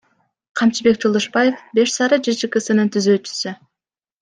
Камчыбек Жолдошбаев — Беш Сары ЖЧКсынын түзүүчүсү.